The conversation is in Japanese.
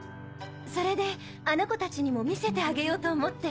それであの子達にも見せてあげようと思って。